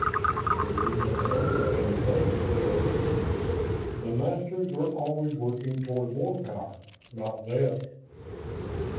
"We do not know of any way, sir. The Masters were always working toward more power, not less."